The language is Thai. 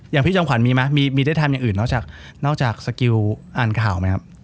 พี่จอมขวัญมีไหมมีได้ทำอย่างอื่นนอกจากนอกจากสกิลอ่านข่าวไหมครับ